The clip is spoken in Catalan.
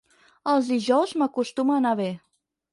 Els dijous m'acostuma a anar bé.